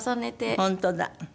本当だ。